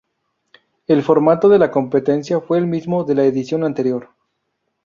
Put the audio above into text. El formato de la competencia fue el mismo de la edición anterior.